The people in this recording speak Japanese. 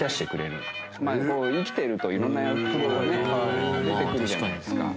こう生きてると色んな欲望がね出てくるじゃないですか。